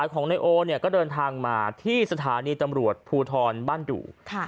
ก็เดินทางมาที่สถานีตำรวจภูทรบ้านดู่